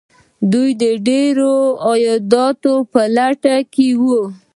دوی د ډیرو عایداتو په لټه کې وو.